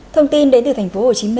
thông tin đến từ tp hcm